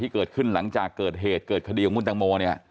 เกิดขึ้นหลังจากเกิดเหตุเกิดคดีของคุณตังโมเนี่ย